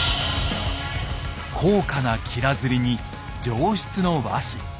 高価なきら摺りに上質の和紙。